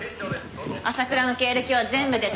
朝倉の経歴は全部でたらめ。